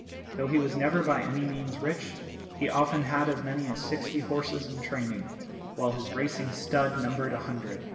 Though he was never by any means rich, he often had as many as sixty horses in training, while his racing stud numbered a hundred.